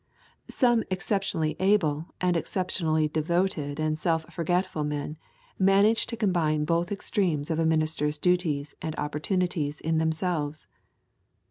Some exceptionally able and exceptionally devoted and self forgetful men manage to combine both extremes of a minister's duties and opportunities in themselves.